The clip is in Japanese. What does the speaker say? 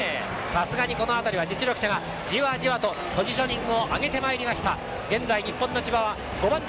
さすがにこの辺りは実力者がじわじわとポジショニングを上げてまいりました。